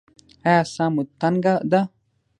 ایا ساه مو تنګه ده؟